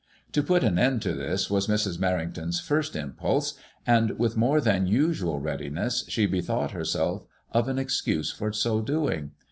To put an end to this was Mrs. Merrington's first impulse, and with more than usual readiness she bethought herself of an excuse for so doing.